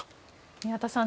宮田さん